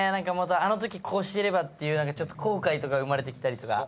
あのときこうしてればっていう後悔とか生まれてきたりとか。